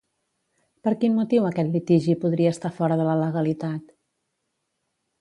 Per quin motiu aquest litigi podria estar fora de la legalitat?